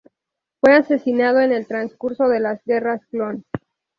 Fue asesinado en el transcurso de las guerras clon.